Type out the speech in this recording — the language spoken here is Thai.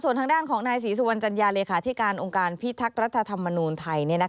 ส่วนทางด้านของนายศรีสุวรรณจัญญาเลขาธิการองค์การพิทักษ์รัฐธรรมนูลไทย